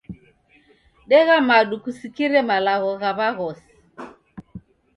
Degha madu kusikire malagho gha w'aghosi.